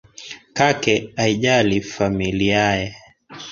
Kake aijali familiaye